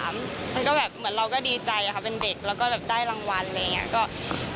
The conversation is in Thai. มันก็แบบเหมือนเราก็ดีใจค่ะเป็นเด็กแล้วก็แบบได้รางวัลอะไรอย่างนี้